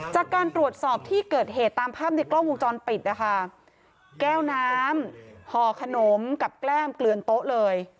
จากการตรวจสอบที่เกิดเหตุตามภาพในกล้องวงจรปิดนะคะแก้วน้ำห่อขนมกับแก้มเกลือนโต๊ะเลย